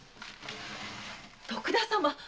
徳田様